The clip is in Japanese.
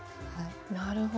なるほど。